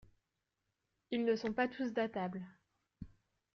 Ils ne sont donc pas tous datables.